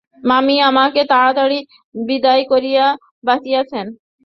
মামী আমাকে তাড়াতাড়ি বিদায় করিয়া বাঁচিয়াছেন।